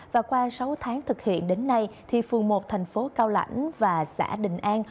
và qua sáu tháng thực hiện đến nay thì phường một thành phố cao lãnh và xã đình an